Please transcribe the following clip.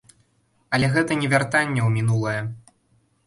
Але гэта не вяртанне ў мінулае.